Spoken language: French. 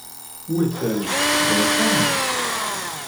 Où est-elle ? dans la forme ?